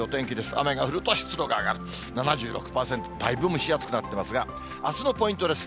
雨が降ると湿度が上がる、７６％、だいぶ蒸し暑くなってますが、あすのポイントです。